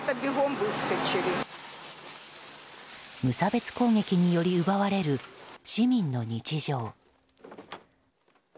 無差別攻撃により奪われる市民の日常。